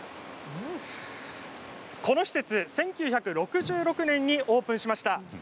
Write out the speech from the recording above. この施設、１９６６年にオープンしました。